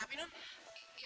fatimah pergi dulu ya